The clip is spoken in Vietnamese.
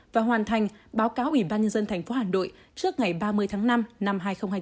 và hoàn thành báo cáo ủy ban nhân dân thành phố hàn đội trước ngày ba mươi tháng năm năm hai nghìn hai mươi bốn